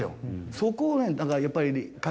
そこをねだからやっぱり。